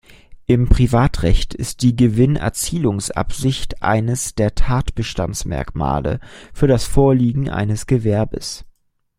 Im Privatrecht ist die Gewinnerzielungsabsicht eines der Tatbestandsmerkmale für das Vorliegen eines Gewerbes.